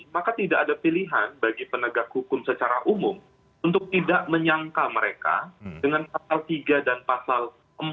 maka tidak ada pilihan bagi penegak hukum secara umum untuk tidak menyangka mereka dengan pasal tiga dan pasal empat